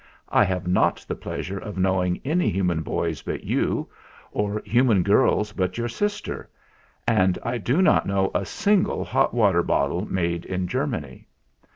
I have not the pleasure of knowing any human boys but you, or human girls but your sister; and I do not know a single hot water bottle made in Germany.